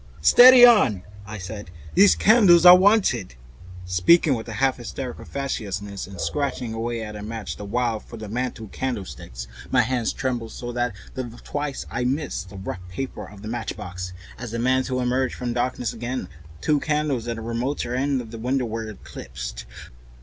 "Steady on!" I said, "those candles are wanted," speaking with a half hysterical facetiousness, and scratching away at a match the while, "for the mantel candlesticks." My hands trembled so much that twice I missed the rough paper of the matchbox. As the mantel emerged from darkness again, two candles in the remoter end of the room were eclipsed.